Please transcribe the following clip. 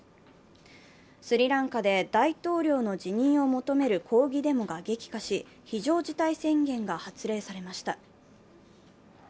スリランカで大統領の辞任を求める抗議デモが激化し、非常事態宣言が発令されました。